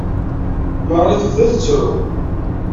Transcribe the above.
Marie tebda tettru.